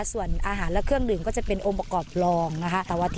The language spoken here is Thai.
ส่วนอาหารและเครื่องดื่มก็จะเป็นองค์ประกอบรองนะคะ